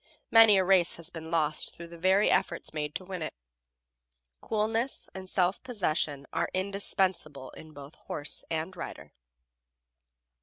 Many a race has been lost through the very efforts made to win it. Coolness and self possession are indispensable in both horse and rider.